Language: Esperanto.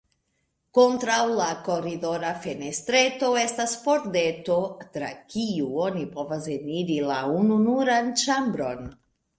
Kontraŭ la koridora fenestreto estas pordeto, tra kiu oni povas eniri la ununuran ĉambron.